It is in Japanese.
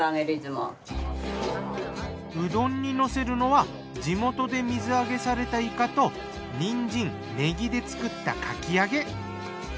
うどんにのせるのは地元で水揚げされたイカとニンジンネギで作ったかき揚げ。